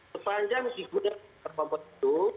sepanjang digunakan kompos itu